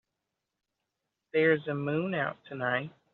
There's a moon out tonight.